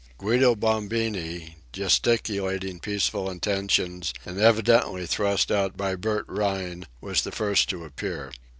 Guido Bombini, gesticulating peaceable intentions and evidently thrust out by Bert Rhine, was the first to appear.